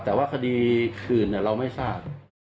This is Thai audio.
แต่ว่าคดีคืนเราไม่ทราบ